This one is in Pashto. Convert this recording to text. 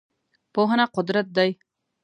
پوهنه قدرت دی.